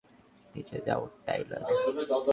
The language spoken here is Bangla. নেচে যাও, টায়লার!